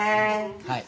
はい。